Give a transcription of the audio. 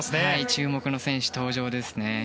注目の選手、登場ですね。